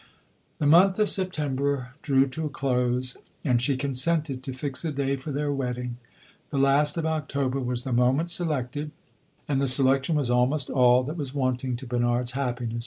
The month of September drew to a close, and she consented to fix a day for their wedding. The last of October was the moment selected, and the selection was almost all that was wanting to Bernard's happiness.